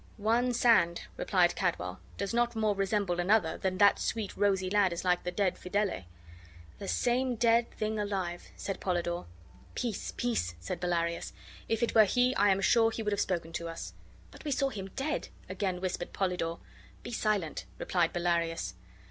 "One sand," replied Cadwal, "does not more resemble another than that sweet, rosy lad is like the dead Fidele." "The same dead thing alive," said Polydore. "Peace, peace," said Bellarius. "If it were he, I am sure be would have spoken to us." "But we saw him dead,", again whispered Polydore. "Be silent," replied Bellarius.